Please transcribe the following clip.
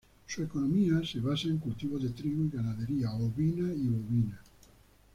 Su economía se basa en cultivo de trigo y ganadería ovina y bovina.